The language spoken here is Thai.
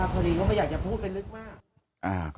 พอดีเขาไม่อยากจะพูดไปลึกมาก